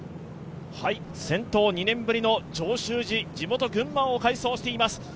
先頭２年ぶりの上州路、地元・群馬を快走しています。